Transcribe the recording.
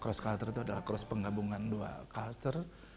cross culture itu adalah cross penggabungan dua culture